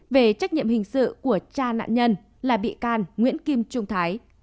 về trách nhiệm hình sự của cha nạn nhân là bị can nguyễn kim trung thái